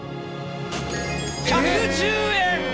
１１０円。